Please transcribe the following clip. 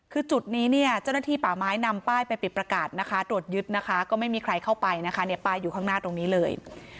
คือจุดนี้เนี่ยเจ้าหน้าที่ป่าไม้นำป้ายไปปิดประกาศนะคะตรวจยึดนะคะก็ไม่มีใครเข้าไปนะคะเนี่ยป้ายอยู่ข้างหน้าตรงนี้เลย